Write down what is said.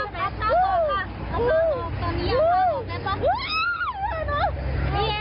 ไปอีกแล้วรอบหนึ่ง